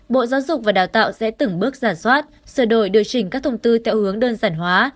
bộ giáo dục và đào tạo sẽ từng bước giả soát sửa đổi điều chỉnh các thông tư theo hướng đơn giản hóa